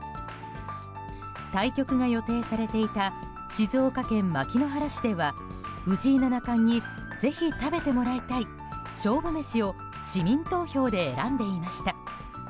対局が予定されていた静岡県牧之原市では藤井七冠にぜひ食べてもらいたい勝負メシを市民投票で選んでいました。